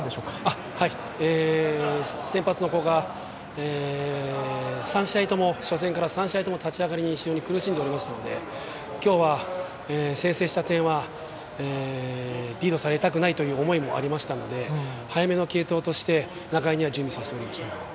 先発の古賀が初戦から３試合とも立ち上がりに苦しんでおりましたので今日は先制した点はリードされたくないという思いもありましたので早めの継投として仲井には準備させていました。